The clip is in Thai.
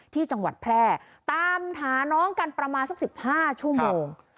ที่จังหวัดแพร่ตามหาน้องกันประมาณสัก๑๕ชั่วโมง